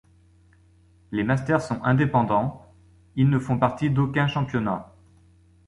Les Masters sont indépendants, ils ne font partie d'aucun championnat.